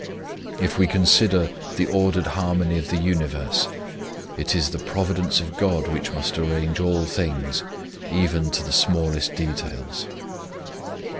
If we consider the ordered harmony of the universe, it is the Providence of God which must arrange all things, even to the smallest details.